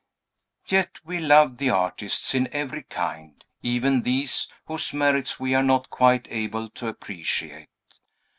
Yet we love the artists, in every kind; even these, whose merits we are not quite able to appreciate.